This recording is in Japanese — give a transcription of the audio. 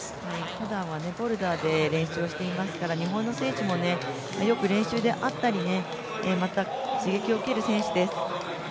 ふだんはボルダーで練習していますから、日本の選手もよく練習で会ったり、また刺激を受ける選手です。